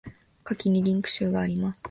下記にリンク集があります。